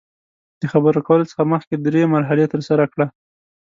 د خبرو کولو څخه مخکې درې مرحلې ترسره کړه.